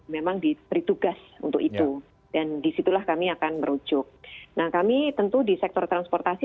memang diberi tugas untuk itu dan disitulah kami akan merujuk nah kami tentu di sektor transportasi